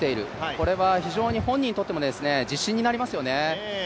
これは非常に本人にとっても自信になりますよね。